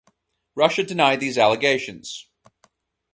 Russia denied these allegations.